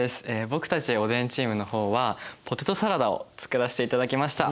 僕たちおでんチームの方はポテトサラダを作らせていただきました。